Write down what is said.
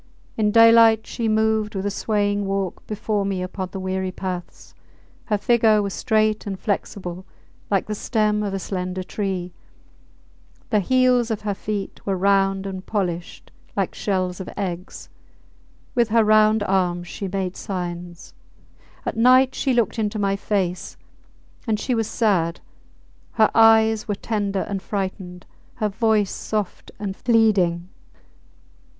In daylight she moved with a swaying walk before me upon the weary paths; her figure was straight and flexible like the stem of a slender tree; the heels of her feet were round and polished like shells of eggs; with her round arm she made signs. At night she looked into my face. And she was sad! Her eyes were tender and frightened; her voice soft and pleading.